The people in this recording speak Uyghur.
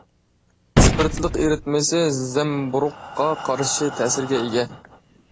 ئىسپىرتلىق ئېرىتمىسى زەمبۇرۇغقا قارشى تەسىرىگە ئىگە.